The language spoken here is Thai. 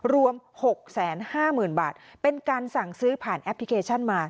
รวมหกแสนห้าหมื่นบาทเป็นการสั่งซื้อผ่านแอปพลิเคชันมา